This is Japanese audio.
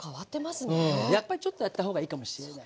やっぱりちょっとやった方がいいかもしれない。